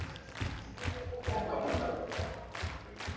Mlima Lool Malasin wenye mita mraba